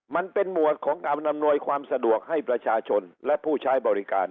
มันเป็นหมวดของการอำนวยความสะดวกให้ประชาชนและผู้ใช้บริการ